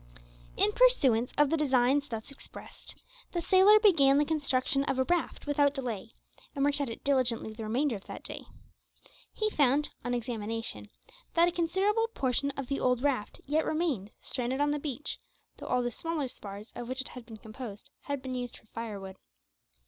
In pursuance of the designs thus expressed, the sailor began the construction of a raft without delay, and worked at it diligently the remainder of that day. He found, on examination, that a considerable portion of the old raft yet remained stranded on the beach, though all the smaller spars of which it had been composed had been used for firewood.